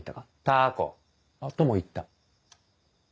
タコとも言った。